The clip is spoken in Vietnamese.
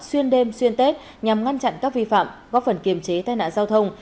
xuyên đêm xuyên tết nhằm ngăn chặn các vi phạm góp phần kiềm chế tai nạn giao thông